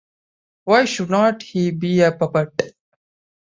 Why shouldn’t he be a puppet?